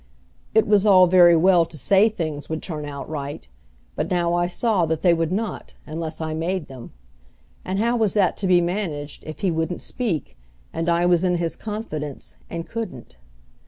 It was all very well to say things would turn out right; but now I saw that they would not unless I made them; and how was that to be managed if he wouldn't speak, and I was in his confidence and couldn't?